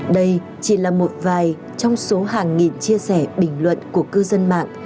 đây chỉ là một vài trong số hàng nghìn chia sẻ bình luận của cư dân mạng